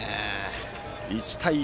１対１。